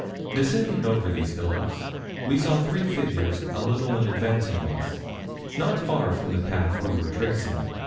Descending over these hillocks we saw three figures a little in advance of us, not far from the path we were tracing.